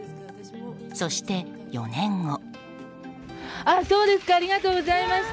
そして、４年後。